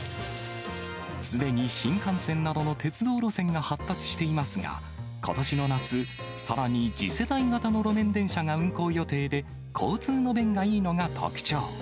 すでに新幹線などの鉄道路線が発達していますが、ことしの夏、さらに次世代型の路面電車が運行予定で、交通の便がいいのが特徴。